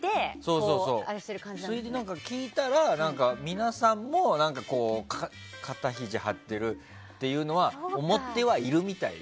それで、聞いたら皆さんも肩ひじを張ってるというのは思ってはいるみたいよ。